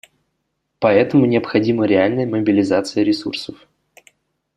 Поэтому необходима реальная мобилизация ресурсов.